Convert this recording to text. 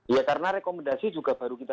ya karena rekomendasi juga baru kita